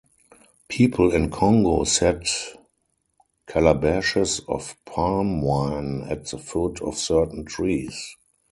People in Congo set calabashes of palm-wine at the foot of certain trees.